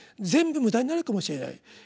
全部無駄になるかもしれない。